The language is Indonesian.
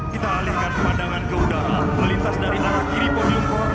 kita alihkan pandangan ke udara melintas dari arah kiri podium